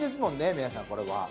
皆さんこれは。